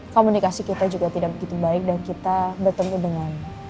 komunikasi kita juga tidak begitu baik dan kita bertemu dengan